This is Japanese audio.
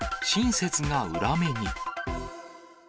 親切が裏目に。